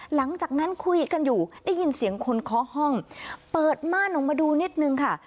หลังจากนั้นคุยกันอยู่ได้ยินเสียงคนเคาะห้องเปิดม่านออกมาดูนิดนึงค่ะ